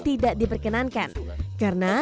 tidak diperkenankan karena